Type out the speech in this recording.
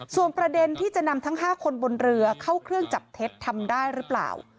ส่วนประเด็นที่จะนำทั้ง๕คนบนเรือเข้าเครื่องจับเท็จทำได้หรือเปล่า